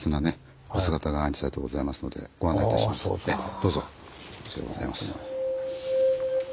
どうぞこちらでございます。